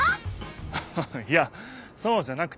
ハハハいやそうじゃなくて